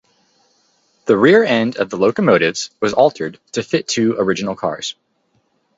The rear end of the locomotives was altered to fit to original cars.